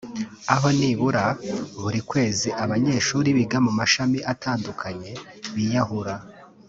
aho nibura buri kwezi abanyeshuri biga mu mashami atandukanye biyahura